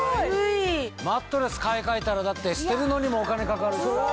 マットレス買い替えたら捨てるのにもお金かかるしさ。